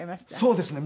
そうですね。